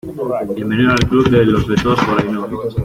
bienvenido al club de los vetados por Ainhoa.